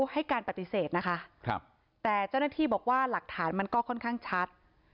ให้การปฏิเสธนะคะแต่เจ้าหน้าที่บอกว่าหลักฐานมันก็ค่อนข้างชัด